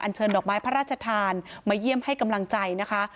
เชิญดอกไม้พระราชทานมาเยี่ยมให้กำลังใจนะคะ